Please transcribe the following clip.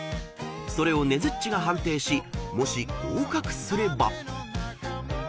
［それをねづっちが判定しもし合格すれば］